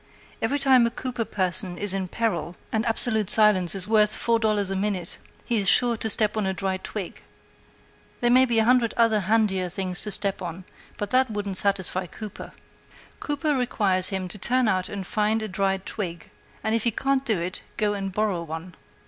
Every time a Cooper person is in peril, and absolute silence is worth four dollars a minute, he is sure to step on a dry twig. There may be a hundred handier things to step on, but that wouldn't satisfy Cooper. Cooper requires him to turn out and find a dry twig; and if he can't do it, go and borrow one.